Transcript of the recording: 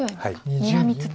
にらみつつ。